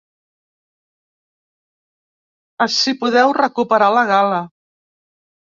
Ací podeu recuperar la gala.